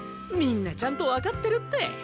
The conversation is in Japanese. みんなちゃんとわかってるって。